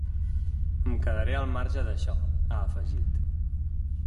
Em quedaré al marge d’això, ha afegit.